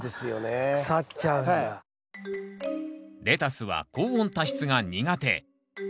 レタスは高温多湿が苦手。